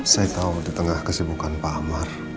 saya tahu di tengah kesibukan pak amar